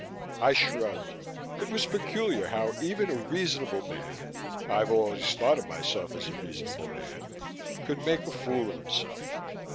I shrugged. It was peculiar how even a reasonable man I have always thought of myself as a reasonable man could make a fool of himself.